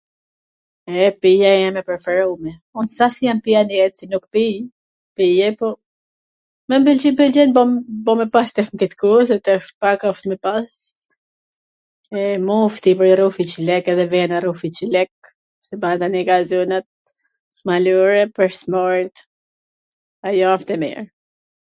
E, pija ime e preferume... Un s a se jam pijanece, nuk pi pi pije, po m pwlqen, m pwlqen, po me pas tre dit koh, se tash pak asht me pas, e mushti, ..., sidomos andej nga zonat malore, pwr s marit, ajo asht e mir,